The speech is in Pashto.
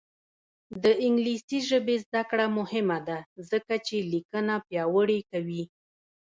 د انګلیسي ژبې زده کړه مهمه ده ځکه چې لیکنه پیاوړې کوي.